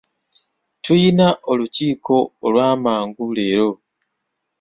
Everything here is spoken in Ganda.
Tuyina olukiiko olw'amangu leero.